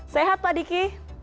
sehat pak diki